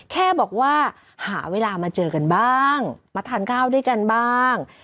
แค่บอกว่าหาเวลามาเจอกันบ้างมาทานข้าวด้วยกันบ้าง